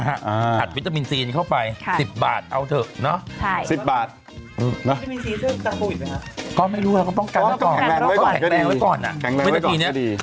ก็แข็งแรงไว้ก่อนก็ดีแข็งแรงไว้ก่อนก็ดี